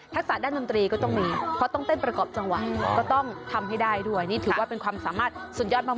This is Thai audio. ะด้านดนตรีก็ต้องมีเพราะต้องเต้นประกอบจังหวะก็ต้องทำให้ได้ด้วยนี่ถือว่าเป็นความสามารถสุดยอดมาก